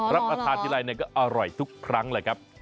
รับประทานทีไรก็อร่อยทุกครั้งเลยครับ